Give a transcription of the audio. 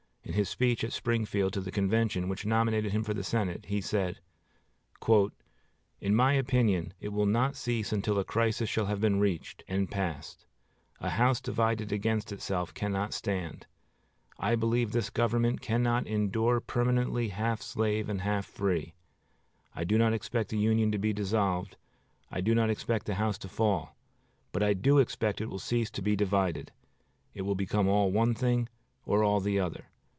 In his speech at Springfield to the convention which nominated him for the Senate he said: "In my opinion, it will not cease until a crisis shall have been reached and passed. 'A house divided against itself cannot stand.' I believe this government cannot endure permanently half slave and half free. I do not expect the Union to be dissolved, I do not expect the house to fall, but I do expect it will cease to be divided. It will become all one thing or all the other.